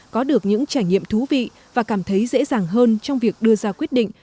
có được những trải nghiệm thú vị và cảm thấy dễ dàng hơn trong việc đưa ra quyết định